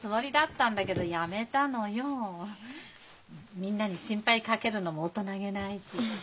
みんなに心配かけるのも大人げないし。